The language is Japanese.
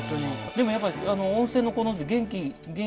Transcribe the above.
でもやっぱ温泉の効能で元気。